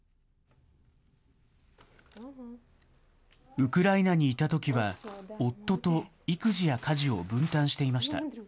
ウクライナにいたときは、夫と育児や家事を分担していました。